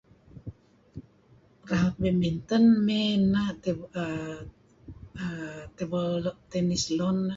Raut badminton mey na' keh [er er] table tennis lun nah.